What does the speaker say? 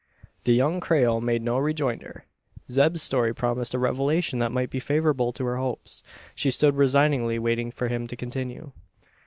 The young Creole made no rejoinder. Zeb's story promised a revelation that might be favourable to her hopes. She stood resignedly waiting for him to continue.